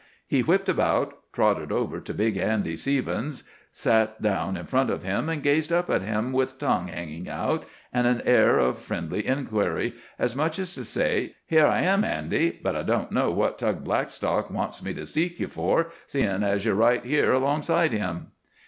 —he whipped about, trotted over to big Andy Sevens, sat down in front of him, and gazed up at him, with tongue hanging and an air of friendly inquiry, as much as to say: "Here I am, Andy. But I don't know what Tug Blackstock wants me to seek you for, seein' as you're right here alongside him."